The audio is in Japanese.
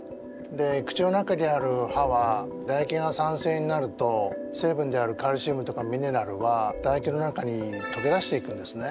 で口の中にある歯はだ液が酸性になると成分であるカルシウムとかミネラルはだ液の中にとけ出していくんですね。